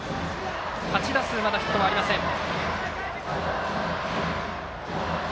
８打数、ヒットはありません。